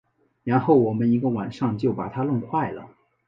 然后我们一个晚上就把它弄坏了